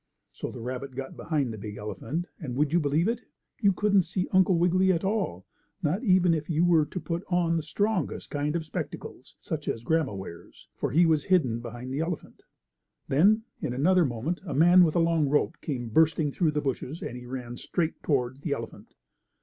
So the rabbit got behind the big elephant, and, would you believe it? you couldn't see Uncle Wiggily at all, not even if you were to put on the strongest kind of spectacles, such as Grandma wears. For he was hidden behind the elephant. Then, in another moment a man with a long rope came bursting through the bushes, and he ran straight toward the elephant.